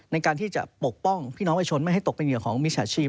ในการที่จะปกป้องพี่น้องประชาชนไม่ให้ตกเป็นเหยื่อของมิจฉาชีพ